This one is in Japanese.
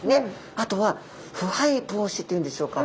あとはふはい防止というんでしょうか。